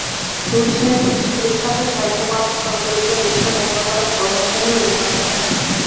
রুশ সাহিত্য কিছু বিখ্যাত সাহিত্যকর্ম সংবলিত বিশ্বের অন্যতম প্রভাবশালী ও উন্নত সাহিত্য।